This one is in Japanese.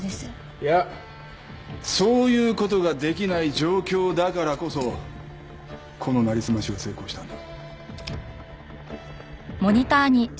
いやそういう事ができない状況だからこそこのなりすましは成功したんだ。